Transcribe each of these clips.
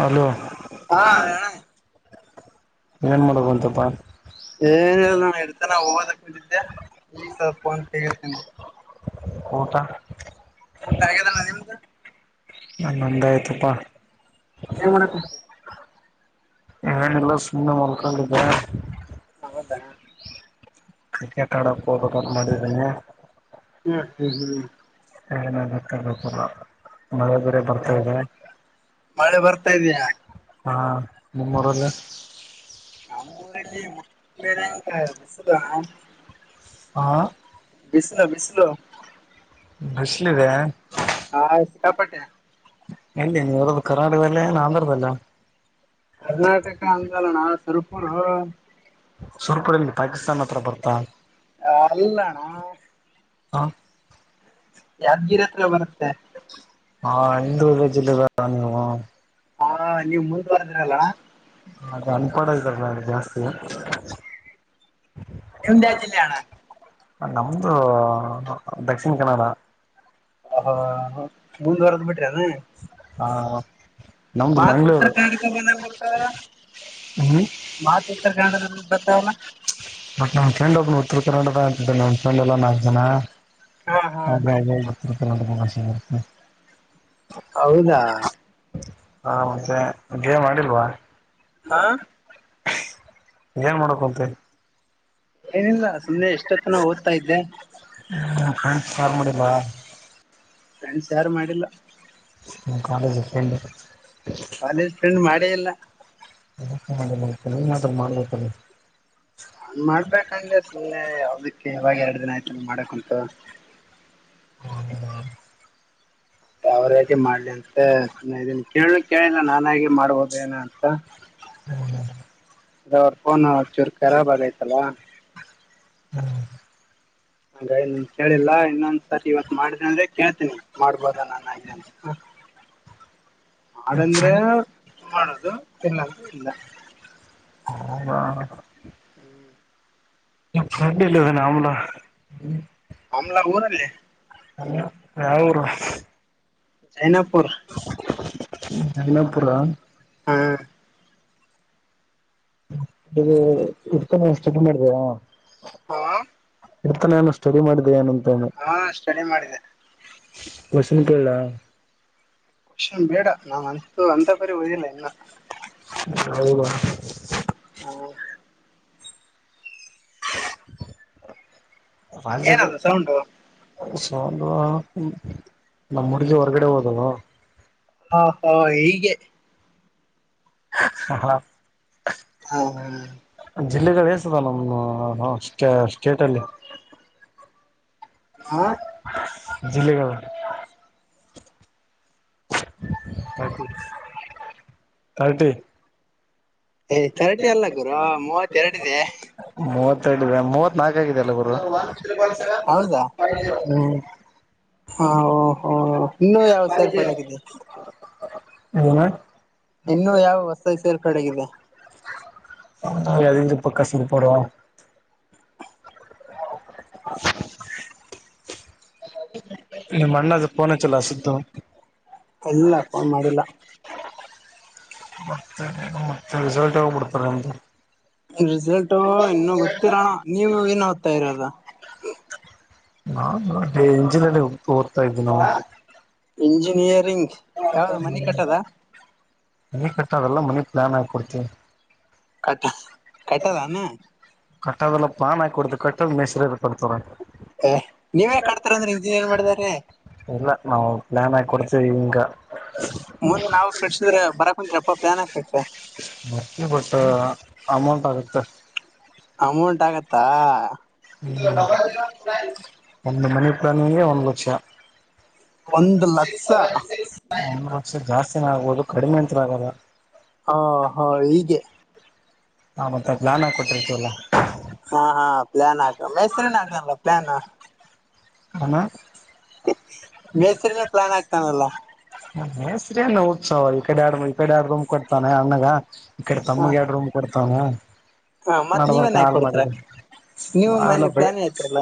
hello ಹಾ ಹೇಳಣ ಏನ್ ಮಾಡಕ್ುವಂತಪ್ಪಾ ಏನ್ ಇಲ್ಲ ನೋಡು ಓದ್ತಾ ಕುಂತಿದೆ ಹೋದ ಕುಂತಿದ್ದೆ ಈಗ ಸ್ವಲ್ ಫೋನ್ ಕೇಗತ್ಕಂಡೆ ಊಟ ಊಟ ಆಗದಾನ ನಿಮ್ದು ನ ನಂದ ಆಯ್ತಪ್ಪಾ ಏನ್ ಮಾಡ್ಕತಿ ಏ ಎಲ್ಲ ಸುಮ್ಮ ಮಲ್ಕಾಲ್ದೆ ಹೌದಾ ಕ್ರಿಕೆಟ್ ಆಡಕ್ ಹೋಗದದ ಅಂತ ಮಾಡಿದೀನಿ ಹೂ ಹೂ ಹೂ ಏನ ಗತ್ತಬೇಕಲ್ಲ ಬರ್ತಾ ಇದೆ ಮಳೆ ಬರ್ತಾ ಇದೆಯಾ ಹಾ ನಿಮ್ಮೂರಲ್ಲಿ ನಮ್ಮಲ್ಲಿ ಮತ್ತ ಮೇರೆಂತಿಸದ ಹಾ ಬಿಸಿಲು ಬಿಸಿಲು ಬಿಸ್ಲ್ ಇದೆ ಹಾ ಕಾಪಟ್ಟೆ ಎಲ್ಲಿ ನೀವು ಇರು ಕರ್ನಾಟಕದಲ್ಲೇ ಆಂಧ್ರದಲ್ಲ ಕರ್ನಾಟಕ ಅಂದೋಲನ ಸುರ ಪೂರ್ ಹ ಸುರಪುರ ಪಾಕಿಸ್ತಾನ್ ಹತ್ರ ಬರ್ತಾ [unintelligible] ನಲ್ಲಣ [unintelligible] ಹಾ [unintelligible] ಯಾದ್ಗಿರಿ ಹತ್ರ ಬರುತ್ತೆ [unintelligible] ಹಾ ಹಂದುೂ ವೇಜ ನಿ [unintelligible] ಹಾ ನೀವು ಮುಂದುವಿರಲ್ಲಾ [unintelligible] ಅ ಅನ್ಪಡ ಇದಲ್ಲ ಅ ಜಾಸ್ತಿ [unintelligible] ನಿಮ್ದ್ ಯಾವ ಜಿಲ್ಲೆ ಅಣ್ಣ ನಮ್ದು ದಕ್ಷಿಣ ಕನ್ನಡ [unintelligible] ಹ ಮುಂದುವಾರದ್ ಬಿಟ್ರಿ ಏನ್- [unintelligible] ಹಾ [unintelligible] ಮತ್ ಉತ್ತರ ಕರ್ನಾಡಕ ಮ ಬರ್ತಾವಲ್ಲ ಹ್ಮ್ ಮತ್ ಉತ್ತರ ಕನಾಡ ಬರ್ತಾವಲ್ಲ [unintelligible] ಬಟ್ ನ್ ಫ್ರೆಂಡ್ ಒಬ್ ಉತ್ತರ ಕನ್ನಡದತಿದ್ದೆ ನಮ್ಮ ಫ್ರೆಂಡ್ಲ್ಲ ನಾಕ್ತನ ಹಾ ಹಾ [unintelligible] ಅಷ [unintelligible] ಹೌದಾ [unintelligible] ಹ ಮತ್ತೆ ಗೇಮ್ ಆಡಿಲ್ವಾ [unintelligible] ಹಾ [unintelligible] ಏನ್ ಮಾದಕುಂತಿ ಏನಿಲ್ಲ ಸುಮ್ಮನೆ ಎಷ್ಟೊತ್ತನ ಓದ್ತಾ ಇದ್ದೆ [unintelligible] ನಮ್ಮ್ ಫ್ರೆಂಡ್ ಕಾಲ್ ಮಾಡಿಲ್ವಾ [unintelligible] ಫೆಂಡ್ಸ್ ಯಾರು ಮಾಡಿಲ್ಲ [unintelligible] ನಿಮ್ ಕಾಲೇಜ್ನಲ್ಲಿ ಫ್ರೆಂಡ್- [unintelligible] ಕಾಲೇಜ್ ಫ್ರೆಂಡ್ ಮಾಡೇ ಇಲ್ಲ [unintelligible] ಯಾಕ ಮಾಡಿಲ್ಲ [unintelligible] ಮಾಡ್ಬೇಕಂದ್ರೆ ಸುಮ್ಮನೆ ಅವದಕ್ಕೆ ಇವಾಗ ಎರಡು ದಿನ ಆಯ್ತು ಮಾಡಕ್ ಉಂಟು [unintelligible] ಮಾಡಿಲ್ಲ- [unintelligible] ಅವ್ರೇಗ ಮಾಡ್ಲಿ ಅಂತ ಇದನ್ ಕೇಳ ಕೇಳಿಲ್ಲ ನಾನಾಗಿ ಮಾಡ್ಬೋದೇಏನ ಅಂತ [unintelligible] ಹೂ ಹೂ [unintelligible] ಅದ ಅವ್ರ ಫೋನ್ ಚೂರ್ ಖರಾಬ್ ಆಗೈತಲ್ಲಾ ಹ ಹಾಗ ಇ ಕೇಳಿಲ್ಲಾ ಇನ್ನೊಂದ್ಸರಿ ಇವತ್ ಮಾಡಿದೆ ಅಂದ್ರೆ ಕೇಳ್ತೀನಿ ಮಾಡ್ಬೋದ ನನ್ಿದೆ ಅಂತ ನಮ್ ಮಾಡಂದ್ರೆ ಫ್ರೆಂಡ್ ಮಾಡೋದು ಇಲ್ಲಂದ್ರೆ ಇಲ್ಲ ಹಾ ಹೂ ನಿಮ್ ಫ್ರೆಂಡ್ ಇಲ್ಲಿ ಹೋಗಿದಾನೆ ಅವುಲ ಹಮ್ಲ ಊರಲ್ಲಿ ಯಾವ ಊರು ಜೈನಾಪು ಜೈನಾಪುರ ಹಾ ಇ ಉಡ್ಕೊಂಡಪ್ಪ ಮಾಡಿದಯ ಹಾ ಇರ್ತಾನ ನಾನು ಸ್ಟಡಿ ಮಾಡಿದೆೆ ಏನ ಹಾ ಸ್ಟಡಿ ಮಾಡಿದೆ ಕ್ವೆಶ್ಚನ್ ಕೇಳ ತಕ್ಷನ್ ಬೇಡ ನಾವ್ ಅಂತೂ ಅಂತ ಬರಿ ಓದಿಲ್ಲ ಇನ್ನು ಹೌದಾ ಹೌ ವಾಲ್ ಜಗ ಏನದು ಸೌಂಡು ಸೊ ಒಂದು ನಮ್ಮ ಹುಡ್ಗಿ ಹೊರಗಡೆ ಹೋದಲ್ ಹಾ ಹಾ ಹೀಗೆ ಹ ಹಾ ಹೌ ಜಿಲ್ಲೆಗಳು ಎೇಸದ ನಮ್ಟ ಸ್ಟೇಟ್ ಅಲ್ಲಿ ಹಾ ಜಿಲ್ಲೆಗಳು ರ್ ತರ್ಟಿ ಥರ್ಟಿ ಅಲ್ಲ ಗುರ ಮೂವತ್ತ ಎರಡುಿದೆ ಮೂವತ್ತೆ ಇಿದೆ ಮೂವತ್ ನಾಲ್ಕ ಆಗಿದ ಅಲ್ಲ ಗುರು ಹೌದಾ ಹೂ ಹಾ ಹೋ ಹ ಹೇಳ್ ಅಣ್ಣ ಇನ್ನುೂ ಯಾವ ಹೊಸದ ಸೇರ್ಪಡೆಗಿದೆ ಅದ ಪಕ್ಕಸ ಪಡ ಹ ನಿ ಮಣ್ಣ ಪನ ಚಲ ಸತ ಇಲ್ಲ ಫೋನ್ ಮಾಡಿಲ್ಲ ಮತ್ತೆ ಮತ್ತೆ ರಿಸಲ್ಟ್ ಆೋಗಬಿಡ್ತಾರೆ ನಿಮ್ದು ರಿಸಲ್ಟು ಇನ್ನುೂ ಗೊತ್ತಿರೋಣ ನೀವು ಏನ್ ಹ್ತಾ ಇರೋದ ನಾ ಅ ಎಂಜಿನಲ್ಲಿೋಗ ಓದ್ತಾ ಇದೀವಿ ನಾವು ಇಂಜಿನಿಯರಿಂಗ್ ಯಾವ್ದ ಮನಿ ಕಟ್ಟದ ಮನೆ ಕಟ್ಟಾವೆಲ್ಲ ಮನೆ ಪ್ಲಾನ್ ಆಗಿ ಕೊಡ್ತೀವಿ ಕಟ್ಟ ಕಟ್ಟದಾನ ಕಟ್ಟೋದೆಲ್ಲ ಪಾನ್ ಹಾಕಿ ಕೊಡತು ಕಟ್ಟದ್ ಮೆಸ್ರ ಕಟ್ಟತರ ನೀವೇ ಕಡ್ತರ ಅಂದ್ರೆ ಇಂಜಿನಿಯರ್ ಮಾಡಿದಾರ ಇಲ್ಲ ನಾವು ಪ್ಲಾನ್ ಆಗಿ ಕೊಡ್ತೇವಿ ಹಂಗ ಮುಂದ್ ನಾವು ಕಟ್ಸಿದ್ರೆ ಬರ ಕುಂತತ್ಪ್ಪ ಪ್ಲಾನ್ ಆಾಕ್ತ್ತೆ ಬಟ್ ಅಮೌಂಟ್ ಆಗುತ್ತೆ ಅಮೌಂಟ್ ಆಗತ್ತಾ ಹೂ ಒಂದು ಮನಿ ಪ್ಲಾಂಗ್ ಒಂದ್ ಲಕ್ಷ ಒಂದು್ ಲಕ್ಷ ಒಂದು ಲಕ್ಷ ಜಾಸ್ತಿನ ಆಗ್ಬೋುದು ಕಡಿಮೆ ಅಂತ ಆಗಲ್ಲ ಹಾ ಹಾ ಹೀಗೆ ಹ ಮತ್ತೆ ಪ್ಲಾನ ಕೊಟ್ಟಿರ್ತೀಲ್ಲ ಹಾ ಹಾ ಪ್ಲಾನ್ ಆಗ ಮ ಹೆಸರಿನ ಆಗಲ್ಲ ಪ್ಲಯಾನ್ ಏನು ಬೇಸರಿನ ಪ್ಲಾನ್ ಆಗ್ತಾನಲ್ಲ ಹೆಸರಿ ಅಣ್ಣ ಉತ್ಸವ ಈ ಕಡೆ ಆಡು ಈ ಕಡೆ ಆರಡು ರೂಮ್ ಕೊಡ್ತಾನೆ ಅಣ್ಣಗ ಈ ಕಡೆ ಹ ತಮ್ಮಗೆ ಎರಡು ರೂಮ್ ಕೊಡ್ತಾವ್ ಹ ಮತ್ ನೀವೇನ್ ಹಾಕ ಕೊಡ್ತರ ನೀವು ನಾವೆಲ್ಲ ಮೊನ್ನೆ ಬೆ ಪ್ಲಾನ್ ಆಯತರಲ್ಲ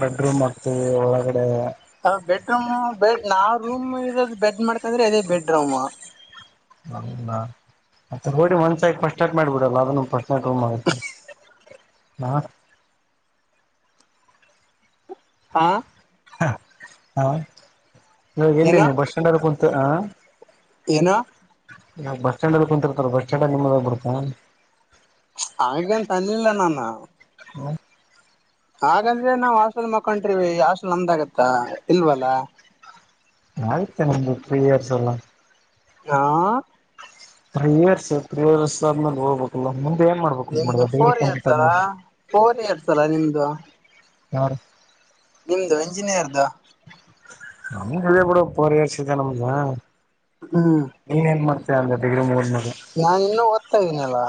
ಬೆಡ್ರೂಮ್ ಹಗ್ತವಿ ಒಳಗಡೆ ಬೆ ನಾವ್ ರೂಮ್ ಇರೋದ ಬೆಡ್ ಮಾಡ್ಕಂದ್ರೆ ಅದೇ ಬೆಡ್ ರೂಮ್ ಅಲ್ಲಾ ಮತ್ತೆ ನೋಡಿ ಒಂದ್ ಸಾಯ ಫಸ್ಟ್ಟಟ್ ಮಾಡ್ಬೋಡಲ್ಲ ಅದಸ್ ಇ ಮಾಡ ಹಾ ಹಾ ಹ ಇವಾಗ ಎಲ್ಲಿನೆ ಬಸ್ ಸ್ಟ್ಯಾಂಡ್ಲ್ಲಿ ಕುಂತು ಹ ಏನು ಬಸ್ ಸ್ಟಂಡ ಅಲ್ಲಿ ಕುಂತಿರ್ತಾರೆ ಬಸ್ ಸ್ಟ್ಯಾಂಡ್ ನಿಮ್ದಾಗ ಬರ್ತಾ ಹಾಗೆಂತ ಅಲ್ಲಿಿಲ್ಲ ನಾನು ಹ ಹಾಗಂದ್ರೆ ನಾವ್ ಹಾಸ್ಟೆಲ್ ಮಕಂಟ್ರೀವಿ ಹಾಸ್ಟೆಲ್ ನಮ್ದಾಗತ್ತ ಇಲ್ವಲ್ಲ ನಗತ್ತೆ ನಿಮ್ದು ತ್ರ್ರೀ ಇಯರ್ಸ್ ಅಲ್ಲ ಹಾ ಪ್ರಿಯರ್ಷ ಪ್ರಿಯರ್ಸ ಆದ್ಮೇಲೆ ಹೋಗ್ಬೇಕಲ್ಲ ಮುಂದೆ ಏನ್ ಮಾಡ್ ನಿಮ್ದು ಫೋರ್ ಇಯರ್ಸ್ ಅಲಾ ಫೋರ್ ಇಯರ್ಸ್ ಅಲ್ಲಾ ನಿಮ್ದು ಹಾ ನಿಮ್ದು ಎಂಜಿನಿಯರ್ದು ನಮ್ ಇದೇ ಕೂಡ ಫೋರ್ ಇಯರ್ ನಮಗೆ ಹೂ ಇನ್ ಎನ್ ಮಾಡ್ತೀಯ ಅಂದ ಡಿಗ್ರಿ ಮುಗ್ಡ್ಮೇಲೆ ನಾನ್ ಇನ್ನುೂ ಓದ್ತಾ ಇದ್ದೀನ ಅಲ್ಲಾ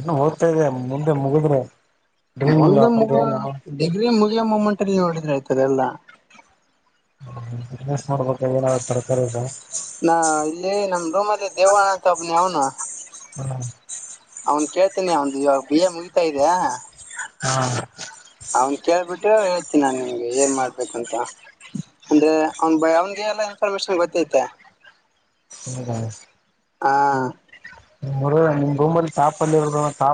ಇ ಓದ್ತಾ ಇದೆ ಮುಂದೆ ಮುಗಿದ್ರೆ ಡ್ರೀಮ್ ಇಲ್ಲ ಮುಂದೇ ಮುಂದೆ ಮುಗ ಏನು ಡಿಗ್ರಿ ಮುಗಿಯಮ್ಮಮ್ಮಂಟ ನೀವು ಹೊಡಿದ್ರೆ ಆಯ್ತದೆ ಎಲ್ಲಾ ಹ ಬಿಸ್ನೆಸ್ ನೋಡ್ಬೇಕ ಏನಾವ್ ತರಕಾರಿ ಇದೆ ನಾ ಇಲ್ಲಿ ನಮ್ ರೂಮ್ ಅಲ್ಲಿ ದೇವಣ ಅಂತಬ್ನಿ ಅವನು ಹೂ ಅವ್ನ್ ಕೇಳ್ತೇನಿ ಅವ್ ಇವಾಗ ಬಿಿಯ ಮುಗಿತಾ ಇದ್ದ ಹಾ ಅವ್ನ್ ಕೇಳ್ಬಿಟ್ರೆ ಹೇಳ್ತೀನ ನಾನ್ ನಿಮ್ಗೆ ಏನ್ ಮಾಡ್ಬೇಕಂತ ಅಂದ್ರೆ ಅವನ್ ಬ ಅವನ್ಿಗೆ ಎಲ್ಲಾ ಇನ್ಫಾರ್ಮೇಶನ್ ಗೊತ್ತೈತೆ ಹೌದ ಹಾ ನಿಮ್ ರೂಮಲ್ಲಿ ತಾಪ ಅಲ್ಲಿ ಇರೋ ತಾ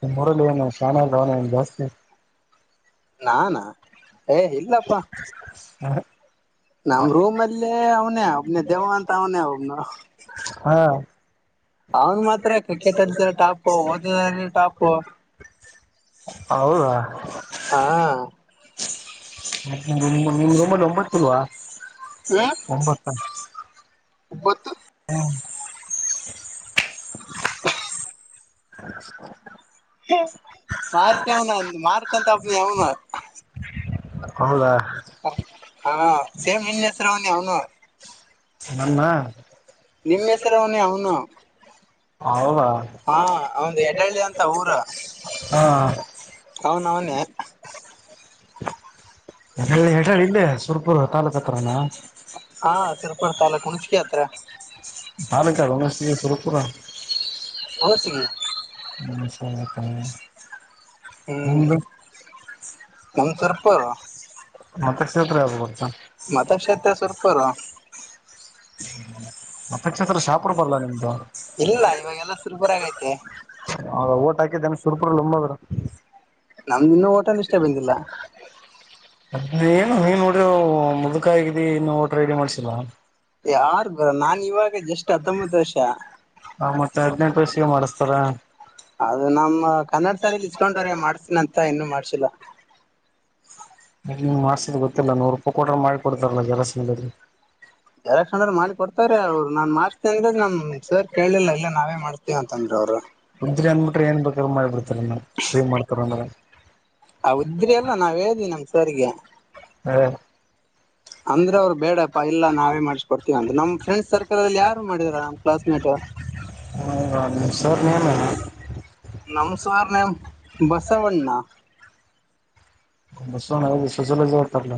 ನಿಮ್ಮ್ಊರಲ್ಲಿ ಏನು ಚೆ ನ್ ಜಾಸ್ತಿ ನಾನ ಏ ಇಲ್ಲಪ್ಪಾ ಹಾ ನಮ್ ರೂಮ್ ಅಲ್ಲಿ ಅವನೇ ಒಬ್ನ ದೇವ ಅಂತ ಅವನೇ ಒಬ್ನು ಹಾ ಅವನ್ ಮಾತ್ರ ಕ್ರಿಕೆಟ್ ಅರ್ಸ ಟಾಪ್ ಓದಿದ ಟಾಪು ಹೌದಾ ಹಾ ನಿಮ್ದ ಒಂಬಂದು ಒಂಬತ್ತುಲ್ವಾ ಒಂಬತ್ತ ಒಂಬತ್ತು ಹೂ ಹ ಮಾರ್ತ ಅವನ ಅ ಮಾರ್ತಂತ ಹಬ್ಬ ಅವನು ಹೌದಾ ಹಾ ಸೇಮ್ ವಿನ್ಯಸ್ರವನಿ ಅವನು ನನ್ನ ನಿಮ್ಮ್ ಹೆಸರ ಅವನೇ ಅವ್ನು ಹೌದ ಹಾ ಒಂದು ಎಡಳ್ಳಿ ಅಂತ ಊರು ಹಾ ಹೌನ್ ಅವ್ನ್ ಹೇಳ ಹೇಳಿ ಇಲ್ಲಿ ಸುರ್ಪುರ್ ತಲ್ಲೂಕು ಹತ್ರಾನ ಹಾ ಸವರಿಪಡ್ತಲ್ಲ ಕುಣ್ಕಿ ಹತ್ರ ಭಾನಕ ಒ ಸುರಪುರ ಓಸಿ ಏನ್ ಸಮಾಚಾರ ಹೂ ನಂದು ಸುರಪುರ ಮಾತ ಕ್ಷೇತ್ರ ಯಾವ್ದು ಬರುತ ಅದಕ್ಷತ್ರ ಸ್ವಲ್ಪರ್ ಮಾತ ಕ್ಷತ್ರ ಶಾಪು ಬರ್ಲ್ಲಾ ನಿಮ್ದು ಇಲ್ಲ ಇವಾಗೆಲ್ಲ ಸುರ್ಪರಾಗೈತೆ ಹ ಓಟ್ ಹಾಕಿದ್ದನ್ ಶುರ್ಪುರ್ಂಬದರು ನಮ್ದ ಇನ್ನು ಹೋಟೆಲ್ ಇಷ್ಟೇ ಬಂದಿಲ್ಲ ಅದ ಏನು ನೀನ್ ನೋಡ್ರ ಮುದುಕ ಆಗಿದಿ ಇನ್ನು ಓಟ್ರ ರೆಡಿ ಮಾಡ್ಸಿಲ್ಲ ಯಾರ್ು ಬರ ನಾನ್ ಇವಾಗ ಎಷ್ಟ್ ಹತ್ತೊಂಬತ್ತು ವರ್ಷ ಹ ಮತ್ತೆ ಹದ್ಿನೆಂಟು ವರ್ಷಗೆ ಮಾಡಿಸಸ್ತಾರ ಅದು ನಮ್ಮ ಕನ್ನಡ ಸಾಲಿನಲ್ಲಿ ಇಸ್ಕೊಂಡ್ರ ಮಾಡ್ಸನ ಅಂತ ಇನ್ನು ಮಾಡ್ಸಿಲ್ಲ ್ ಮಾಡಸಿದ್ ಗೊತ್ತಿಲ್ಲ ನೂರು ರೂಪಾಯಿ ಕೊಡ್ರ ಮಾಡಿ ಕೊಡ್ತಾರಲ್ಲ ಕೆಲಸ ಎಲ್ಲ ಕ್ಣರು ಮಾಡಿ ಕೊಡ್ತಾರಾರೆ ಅವರು ನಾನ್ ಮಾಡ್ಸ್ತೇ ಅಂದ್ರೆ ನ್ ಸರ್ ಕೇಳಲಿಲ್ಲ ಇಲ್ಲ ನಾವೇ ಮಾಡ್ತೀವ ಅಂತಂದ್ರೆ ಅವ್ರು ಉದ್ರಿ ಅನ್ಬಿಟ್ರ ಏನ್ ಬೇಕ್ರ ಮಾಡಬ ಬಿಡ್ತಾರೆ ಏನೋ ತೊಗೊಂಡರ ಆ ಉದ್ರಿ ಅಲ್ಲ ನಾವ್ ಹೇಳ್ದಿವಿ ನಮ್ ಸಾರಿಗೆ ಹ ಅಂದ್ರೆ ಅವ್ರು ಬೇಡಪ್ಪಾ ಇಲ್ಲ ನಾವೇ ಮಾಡಸ್ಕ ಕೊಡ್ತೀವಿ ಅಂದ್ರ ನಮ್ ಫ್ರೆಂಡ್ ಸರ್ಕಲ್ ಅಲ್ಲಿ ಯಾರು ಮಾಡಿದರಾ ನಮ್ಲಸ್ ಮೇಟ್ ಹೌರ್ನಲ್ಲ ನಮ sir name Basavanna Basavanna sociology ಹೇಳ್ತಾರಲ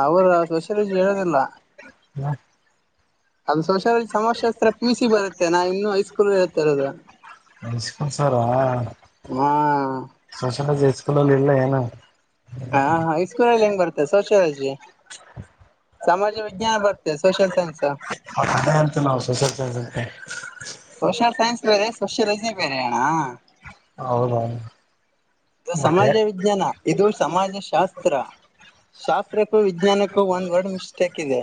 ಅವ್ರ ಸೊಷಾಲಜಿ ಹೇಳೋದಿಲ್ಲ ಹಾ ಅದು್ ಸಂಸಾರ ಸಮಸೆಾಸ್ತ್ರ ಪ ಸಿ ಬರುತ್ತೆ ನಾ ಇನ್ನುೂೈಸ್ಕೂಲ್ ಹೇಳ್ತ ಇರೋದು ಹೈಸ್ಕೂಲ್ ಸಾರಾ ಹಾ ಸೋಷಾಲಾಜ್ ಸ್ಕೂಲಲ್ಲಿ ಇಲ್ಲ ಏನು ಹಾ ಹ ಇ ಸ್ಕೂಲ ಅಲ್ಲಿ ಹೆಂಗ ಬರ್ತೆ ಸೋಷಿಯಲ್ ಲಾಜಿ ಸಮಾಜ ವಿಜ್ಞಾನ ಬರ್ತೆ ಸೋಷಿಯಲ್ ಸೈನ್ಸ್ ಅದೇ ಅಂತು ನಾವು ಸುಸಲ್ತೆ ಸೋಷಿಯಲ್ ಸೈನ್ಸ್ ಬೇರೆ ಸೋಷಿಯಾಲಜಿ ಬೇರೆ ಅಣ್ಣ ಹೌದ ಇದು ಸಮಾಜ ವಿಜ್ಞಾನ ಇದು ಸಮಾಜ ಶಾಸ್ತ್ರ ಶಾಸ್ತ್ರಕ್ಕೂ ವಿಜ್ಞಾನಕ್ಕೂ ಒಂದ್ ವರ್ಡ್ ಮಿಸ್ಟೇಕ್ ಇದೆ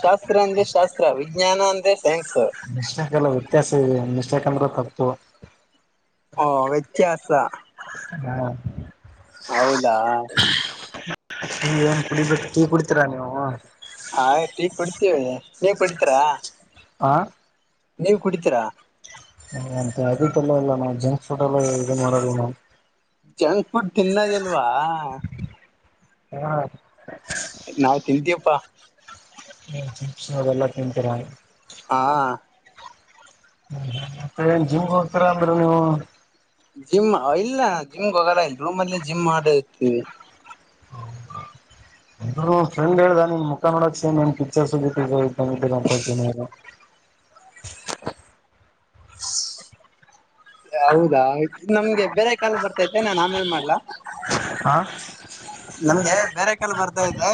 ಶಾಸ್ತ್ರ ಅಂದ್ರೆ ಶಾಸ್ತ್ರ ವಿಜ್ಞಾನ ಅಂದ್ರೆ ಸೈನ್ಸ್ ನಿ್ಾಕಲ್ಲ ವ್ಯತ್ಯಾಸ ನಿಶ್ ಯಾಕಂದ್ರೆ ತಪ್ಪತು ಓ ವ್ಯತ್ಯಾಸ ಹೂ ಹೌದಾ ನೀ ಏನ್ ಕುಡಿಬೇಕು ಕೀ ಕುಡಿತೀರಾ ನೀವು ಆಯ್ತ್ ಈ ಕುಡ್ತೀವಿ ನೀವು ಕುಡಿತೀರಾ ಹಾ ನೀವು ಕುಡಿತೀರಾ ಹ ಅ ಅದಲ್ಲ ಇಲ್ಲ ನಾವು ಜಂಕ್ ಫುಡ್ ಎಲ್ಲ ಇದು ಮಾಡ ನಾವು ಜಂಕ್ ಫುಡ್ ತಿನ್ನದಿಲ್ವಾ ಹಾ ನಾವ್ ತಿಂತೀಪ್ಪಾ ಅವೆಲ್ಲ ತಿಂತೀರಾ ಹಾ ಹೂ ಮತ್ತೆನ್ ಜಿಮ್ಗೆ ಹೋಗ್ತೀರಾ ಅಂದ್ರಿ ನೀವು ಜಿಮ್ ಇಲ್ಲ ಜಿಮ್ಗೆ ಹೋಗಲ್ಲ ಇಲ್ಲ ರೂಮ್ ಅಲ್ಲಿ ಜಿಮ್ ಮಾಡಿ ಇರ್ತವಿ ಹೌದ ಫ್ರೆಂಡ್ ಹೇಳ್ದ ನಿ ಮುಖಾ ನೋಡಕ್ ಪಿರ್ಸ್ ಹೌದಾ ನಮ್ಗೆ ಬೇರೆ ಕಾಾಲ ಬರ್ತೈತೆ ನನ್ ಆಮೇನ್ ಮಾಡ್ಲಾ ಹಾ ನಮ್ಗೆ ಬೇರೆ ಕಾಲ ಬರ್ತಾ ಇದೆ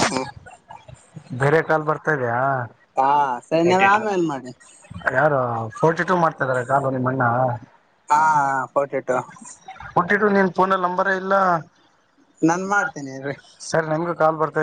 ಬೇರೆ ಕಾಲ್ ಬರ್ತಾ ಹಾ ಸರಿ ನೀವ್ ಇದ್ಯಾ ಆಮೇಲ್ ಮಾಡಿ ಯಾರು ಫೋರ್ಟಿ ಟೂ ಮಾಡ್ತಾಾರೆ ಕಾಲು ನಿಮ್ಮಣ್ಣ ಹಾ ಪಟ್ಟಿಟ್ಟು ಹಟ್ಟಿು ನೀನ್ ಫೋ ನಂಬರ್ ಇಲ್ಲ ನಾನ್ ಮಾಡ್ತೇನೆಿಲ್ರರಿ ಸರ್ಮ್ ಕಾಲ್ ಬರ್ತದೆ